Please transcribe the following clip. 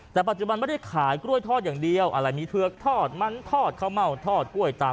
แต่ปัจจุบันไม่ได้ขายกล้วยทอดอย่างเดียวอะไรมีเผือกทอดมันทอดข้าวเม่าทอดกล้วยตาม